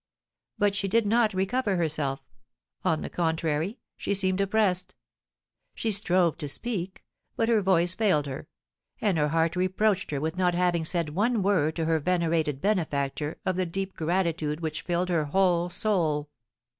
But she did not recover herself; on the contrary, she seemed oppressed. She strove to speak, but her voice failed her, and her heart reproached her with not having said one word to her venerated benefactor of the deep gratitude which filled her whole soul.